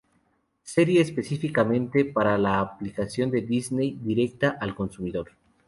Serie específicamente para la aplicación de Disney directa al consumidor.